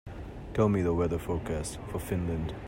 Tell me the weather forecast for Finland